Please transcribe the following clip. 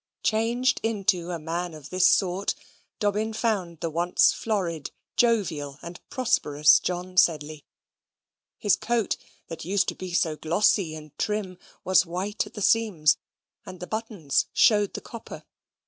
Changed into a man of this sort, Dobbin found the once florid, jovial, and prosperous John Sedley. His coat, that used to be so glossy and trim, was white at the seams, and the buttons showed the copper.